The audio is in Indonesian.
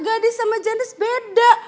gadis sama jenis beda